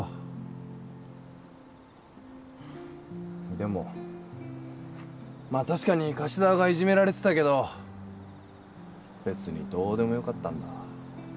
でもまあ確かに樫沢がいじめられてたけど別にどうでもよかったんだ。